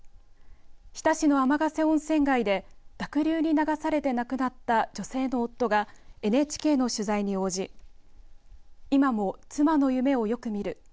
日田市の天ヶ瀬温泉街で濁流に流されて亡くなった女性の夫がＮＨＫの取材に応じ今も妻の夢をよく見る。